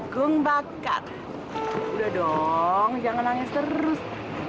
gung bakar udah dong jangan nangis terus